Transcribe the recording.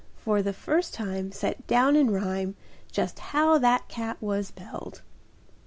For the first time Set down in rhyme Just how that cat was belled.